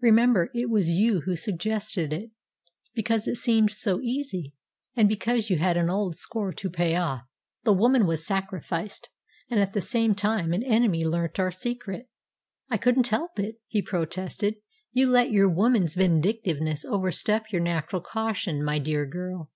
Remember, it was you who suggested it, because it seemed so easy, and because you had an old score to pay off." "The woman was sacrificed, and at the same time an enemy learnt our secret." "I couldn't help it," he protested. "You let your woman's vindictiveness overstep your natural caution, my dear girl.